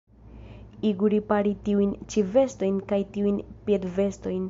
Igu ripari tiujn ĉi vestojn kaj tiujn piedvestojn.